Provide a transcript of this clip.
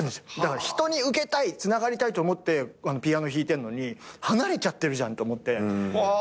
だから人に受けたいつながりたいと思ってピアノ弾いてるのに離れちゃってるじゃんと思って。